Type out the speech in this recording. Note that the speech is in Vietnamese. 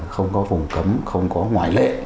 không có vùng cấm không có ngoại lệ